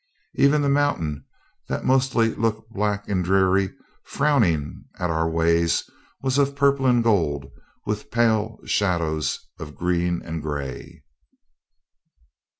Even the mountain, that mostly looked black and dreary, frowning at our ways, was of purple and gold, with pale shadows of green and gray.